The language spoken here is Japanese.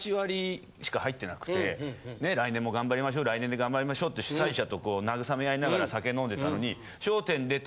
来年も頑張りましょう来年で頑張りましょうって主催者と慰め合いながら酒飲んでたのに。